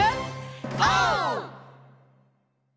オー！